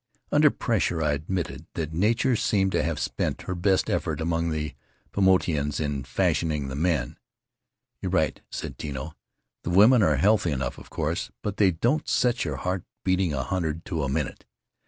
Under pressure, I admitted that Nature seemed to have spent her best effort among the Paumotuans in fashioning the men. "You're right," said Tino. "The women are healthy enough, of course, but they don't set your heart beating a hundred to the minute.